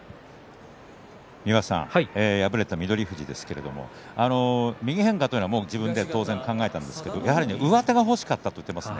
敗れた翠富士ですけれど右変化というのは自分では当然考えたということですがやはり上手が欲しかったと言っていますね。